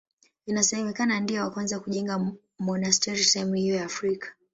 Inasemekana ndiye wa kwanza kujenga monasteri sehemu hiyo ya Afrika.